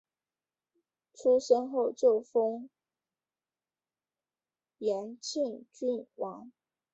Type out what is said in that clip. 出生后就封延庆郡王。